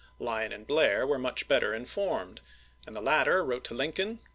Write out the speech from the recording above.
Lyon and Blair were mueli better informed, and the latter wrote to Lincoln